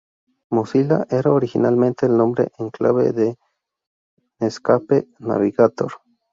Mozilla era originalmente el nombre en clave del Netscape Navigator.